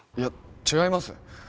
違います